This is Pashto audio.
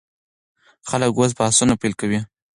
خلک اوس بحثونه پیل کوي.